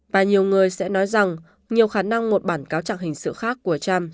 và nhiều người sẽ nói rằng nhiều khả năng một bản cáo trạng hình sự khác của cham